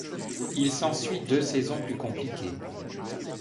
Il s'ensuit deux saisons plus compliquées.